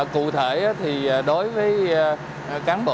cụ thể đối với cán bộ